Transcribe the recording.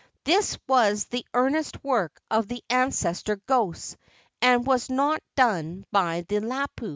This was the earnest work of the ancestor ghosts, and was not done by the lapu."